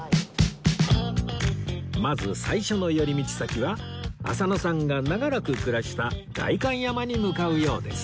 まず最初の寄り道先は浅野さんが長らく暮らした代官山に向かうようです